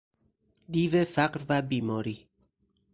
دیو فقر و بیماری